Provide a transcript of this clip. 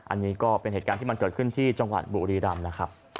อันนี้ก็เป็นเหตุการณ์ที่มันเกิดขึ้นที่จังหวัดบุรีรำนะครับ